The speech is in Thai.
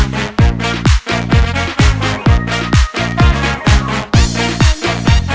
จัดจันยันวิทย์ค่ะ